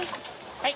はい。